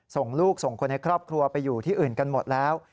ส่งลูกส่งคนในครอบครัวไปอยู่ที่อื่นกันหมดแล้ว